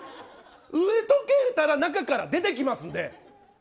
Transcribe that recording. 上、溶けたら中から出てきますんで。